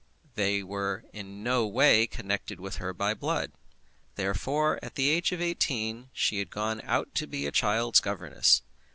They were in no way connected with her by blood. Therefore, at the age of eighteen, she had gone out to be a child's governess.